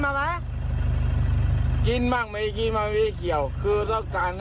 แล้วทำไมถึงชน